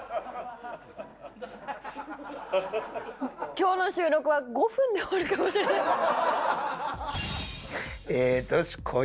きょうの収録は５分で終わるかもしれない。